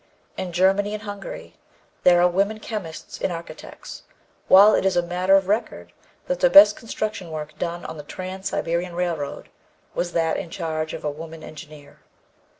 In Germany and Hungary there are women chemists and architects, while it is a matter of record that the best construction work done on the trans Siberian railroad was that in charge of a woman engineer.